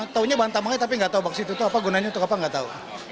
tahunya bahan tambangnya tapi nggak tahu baksit itu apa gunanya untuk apa nggak tahu